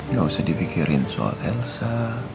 gak usah dipikirin soal elsa